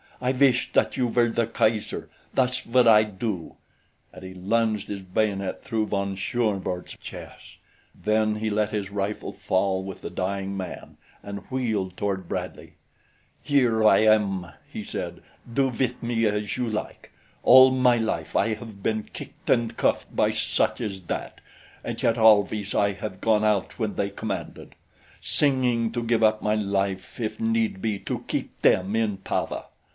I wish that you were the Kaiser. Thus would I do!" And he lunged his bayonet through von Schoenvorts' chest. Then he let his rifle fall with the dying man and wheeled toward Bradley. "Here I am," he said. "Do with me as you like. All my life I have been kicked and cuffed by such as that, and yet always have I gone out when they commanded, singing, to give up my life if need be to keep them in power.